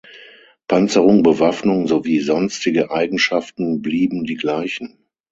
Panzerung, Bewaffnung sowie sonstige Eigenschaften blieben die Gleichen.